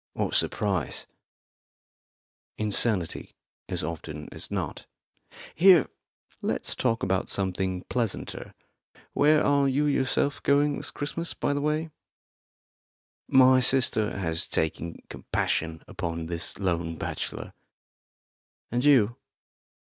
"What's the price?" "Insanity, as often as not. Here, let's talk about something pleasanter. Where are you yourself going this Christmas, by the way?" "My sister has taken compassion upon this lone bachelor. And you?"